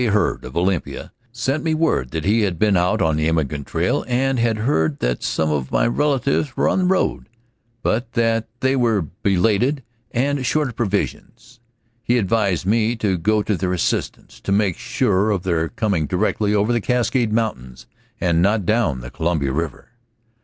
Hurd, of Olympia, sent me word that he had been out on the immigrant trail and had heard that some of my relatives were on the road, but that they were belated and short of provisions. He advised me to go to their assistance, to make sure of their coming directly over the Cascade Mountains, and not down the Columbia River.